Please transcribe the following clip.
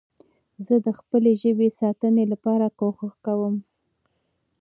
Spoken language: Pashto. زه د خپلي ژبې د ساتنې لپاره کوښښ کوم.